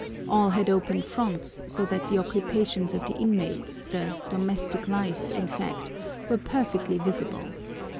All had open fronts, so that the occupations of the inmates, the "domestic life" in fact, were perfectly visible.